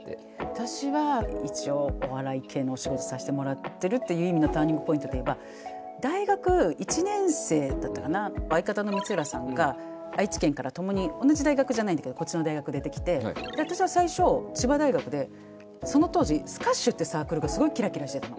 私は一応お笑い系のお仕事させてもらってるっていう意味のターニングポイントで言えば相方の光浦さんが愛知県から共に同じ大学じゃないんだけどこっちの大学出てきて私は最初千葉大学でその当時スカッシュかっこいいと。